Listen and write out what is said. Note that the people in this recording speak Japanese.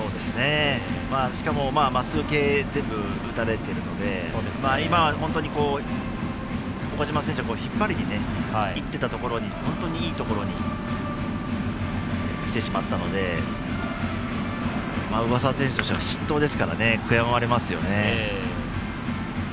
しかもまっすぐ系全部、打たれているので今、岡島選手、引っ張りにいってたところに、本当にいいところにきてしまったので上沢選手としては失投ですから悔やまれますよね。